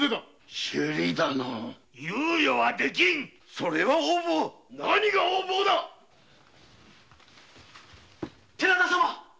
それは横暴何が横暴だ寺田様